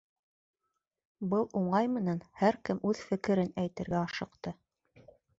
Был уңай менән һәр кем үҙ фекерен әйтергә ашыҡты.